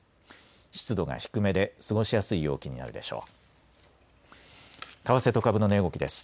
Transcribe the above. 湿度が低めで過ごしやすい陽気になるでしょう。